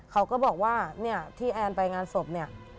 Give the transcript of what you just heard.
เขาก็บอกว่าเนี่ยที่แอนไปงานศพเนี่ย